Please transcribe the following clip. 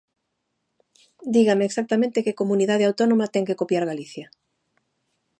Dígame exactamente que Comunidade Autónoma ten que copiar Galicia.